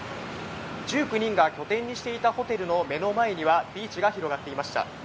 １９人が拠点にしていたホテルの目の前にはビーチが広がっていました。